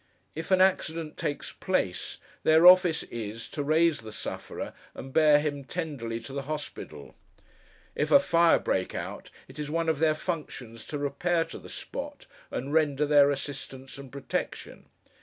If an accident take place, their office is, to raise the sufferer, and bear him tenderly to the Hospital. If a fire break out, it is one of their functions to repair to the spot, and render their assistance and protection.